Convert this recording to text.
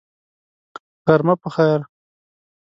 غرمه په خیر !